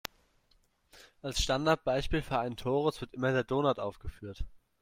Als Standardbeispiel für einen Torus wird immer der Donut aufgeführt.